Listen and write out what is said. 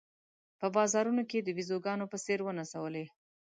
په بازارونو کې د بېزوګانو په څېر ونڅولې.